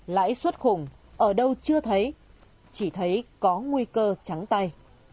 lãi suất khủng ở đâu chưa thấy chỉ thấy có nguy cơ trắng tay